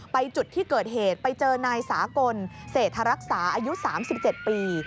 จุดที่เกิดเหตุไปเจอนายสากลเศรษฐรักษาอายุ๓๗ปี